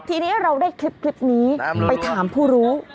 ทีนี้เราได้คลิปนี้ไปถามผู้รู้